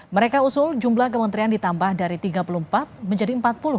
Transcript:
mereka usul jumlah kementerian ditambah dari tiga puluh empat menjadi empat puluh